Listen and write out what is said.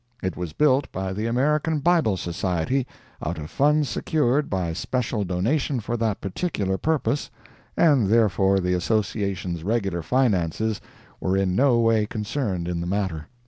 It was built by the American Bible Society out of funds secured by special donation for that particular purpose, and therefore the Association's regular finances were in no way concerned in the matter.